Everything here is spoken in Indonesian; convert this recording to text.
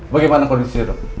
bagaimana kondisinya dok